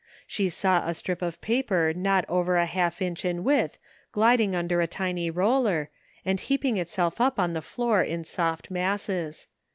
She saw a strip of paper not over a half inch in width gliding under a tiny roller, and heaping itself up on the floor in soft masses.